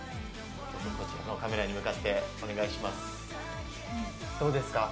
カメラに向かってお願いします。